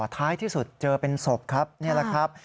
ท้ายที่สุดเจอเป็นศพครับนี่แหละครับ